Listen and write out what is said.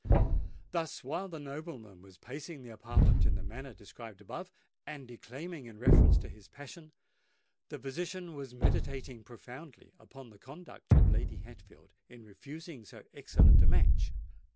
Thus, while the nobleman was pacing the apartment in the manner described above, and declaiming in reference to his passion, the physician was meditating profoundly upon the conduct of Lady Hatfield in refusing so excellent a match.